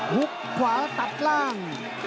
ฮุกขวาตัดล่าง